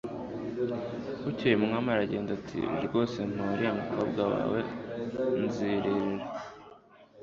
bukeye umwami aragenda ati 'rwose mpa uriya mukobwa wawe nzirerera